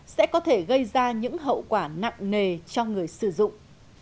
sẽ có thể gây ra những hậu quả nặng nề cho người sử dụng